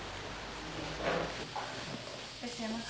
いらっしゃいませ。